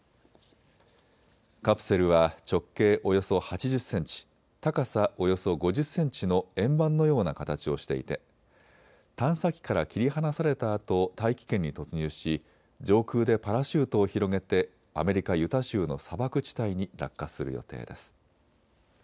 カプセルは直径およそ８０センチ、高さおよそ５０センチの円盤のような形をしていて探査機から切り離されたあと大気圏に突入し、上空でパラシュートを広げてアメリカ・ユタ州の砂漠地帯に落下する予定です。